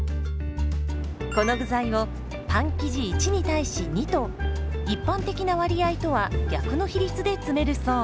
この具材をパン生地１に対し２と一般的な割合とは逆の比率で詰めるそう。